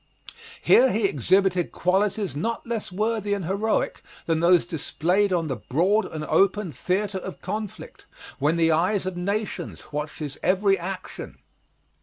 Here he exhibited qualities not less worthy and heroic than those displayed on the broad and open theater of conflict, when the eyes of nations watched his every action.